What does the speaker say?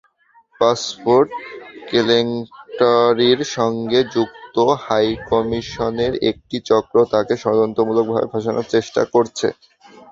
Passport কেলেঙ্কারির সঙ্গে যুক্ত হাইকমিশনের একটি চক্র তাঁকে ষড়যন্ত্রমূলকভাবে ফাঁসানোর চেষ্টা করছে।